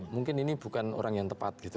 mungkin ini bukan orang yang tepat gitu